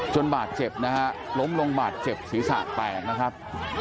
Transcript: บาดเจ็บนะฮะล้มลงบาดเจ็บศีรษะแตกนะครับ